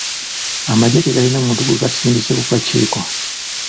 Amagye tegalina muntu gwe gasindise ku kakiiko.